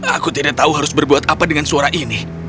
aku tidak tahu harus berbuat apa dengan suara ini